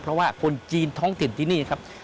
เพราะว่าคนจีนท้องถิ่นที่นี่ครับ